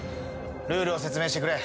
ルールを説明してくれ。